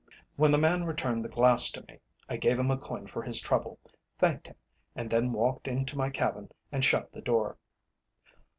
When the man returned the glass to me, I gave him a coin for his trouble, thanked him, and then walked into my cabin and shut the door.